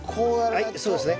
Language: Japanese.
はいそうですね。